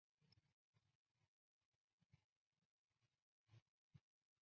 里耶德塞尔特。